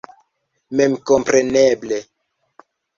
Memkompreneble.